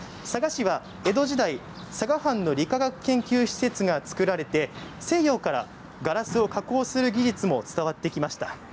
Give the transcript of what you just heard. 佐賀市は江戸時代佐賀藩の理化学研究施設が作られて西洋からガラスを加工する技術も伝わってきました。